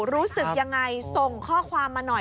ลูกชายผมประมาณ